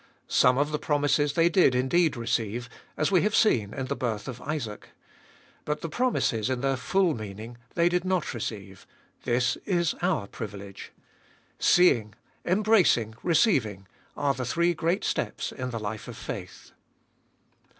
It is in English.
Some of the promises they did indeed receive, as we have seen in the birth of Isaac. But the promises, in their full meaning, they did not receive; this is our privilege. Seeing, embracing, receiving are the three great steps in the life of faith.